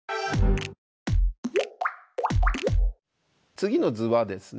次の図はですね